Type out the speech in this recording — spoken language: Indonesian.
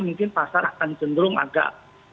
mungkin pasar akan cenderung agak